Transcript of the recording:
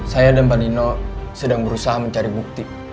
saya dan mbak nino sedang berusaha mencari bukti